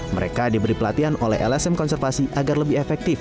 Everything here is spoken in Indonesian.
mereka diberi pelatihan oleh lsm konservasi agar lebih efektif